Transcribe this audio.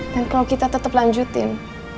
dan kalau kita tetep lanjutin